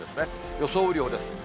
予想雨量です。